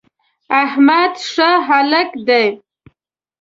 احمد ښه هلک دی.